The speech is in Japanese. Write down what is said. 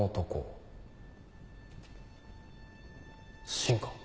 信か？